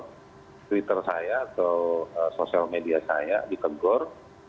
twitter saya atau sosial media saya ditegor